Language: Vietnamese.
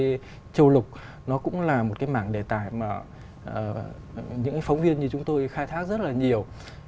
và dịch vụ nó cũng là một cái mảng đề tài mà những phóng viên như chúng tôi khai thác rất là nhiều